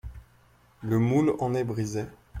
Le moule en est brisé.